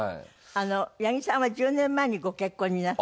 八木さんは１０年前にご結婚になって。